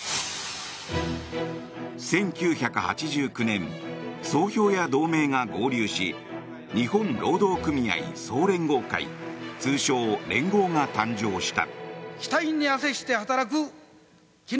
１９８９年、総評や同盟が合流し日本労働組合総連合会通称・連合が誕生した。